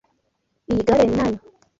Iyi gare niyanyu?